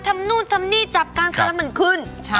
ทำนู่นทำนี่จับกาลใร่มันขึ้น